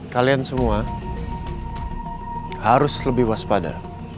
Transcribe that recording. kalian semua harus lebih waspada